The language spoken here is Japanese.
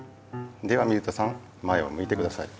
では水田さん前をむいてください。